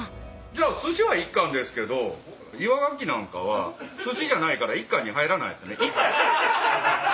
じゃあすしは１貫ですけどイワガキなんかはすしじゃないから１貫に入らないですよね。